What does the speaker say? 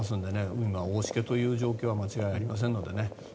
海が大しけという状況は間違いありませんのでね。